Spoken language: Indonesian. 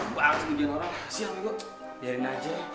gue harus nungguin orang